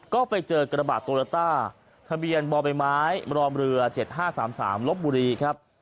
ก็ไปเจอกระบาดโตโยต้าทะเบียนบ่อใบไม้รอมเรือ๗๕๓๓ลบบุรีครับ